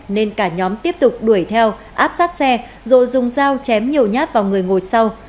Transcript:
nên cả nhóm tiếp tục đuổi theo áp sát xe rồi dùng dao chém nhiều nhát vào người ngồi sau